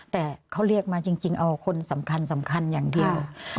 แต่เขาเรียกมาจริงเอาคนสำคัญสำคัญอย่างเดียว